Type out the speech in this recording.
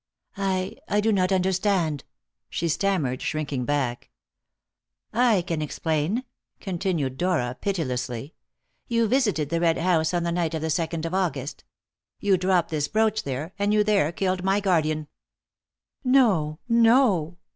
"I I do not understand," she stammered, shrinking back. "I can explain," continued Dora pitilessly. "You visited the Red House on the night of the second of August; you dropped this brooch there, and you there killed my guardian." "No, no!